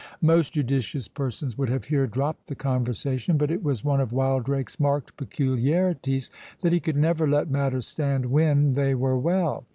Most judicious persons would have here dropped the conversation; but it was one of Wildrake's marked peculiarities, that he could never let matters stand when they were well.